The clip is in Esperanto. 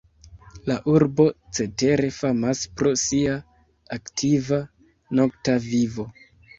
La urbo cetere famas pro sia aktiva nokta vivo.